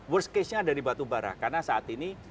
worst case nya dari batu bara karena saat ini